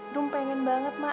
rum pengen banget mak